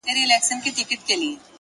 خپل خوبونه په عمل بدل کړئ,